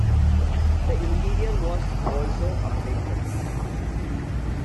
The interior was also updated.